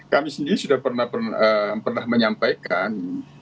kami sendiri sudah pernah menyampaikan